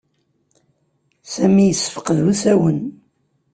Sami yessefqed usawen.